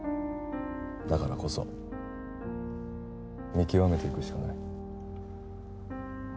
だからこそ見極めていくしかない